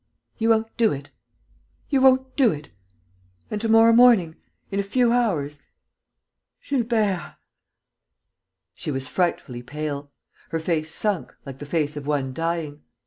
"You won't do it?... You won't do it?... And, to morrow morning ... in a few hours ... Gilbert...." She was frightfully pale, her face sunk, like the face of one dying.